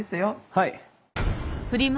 はい。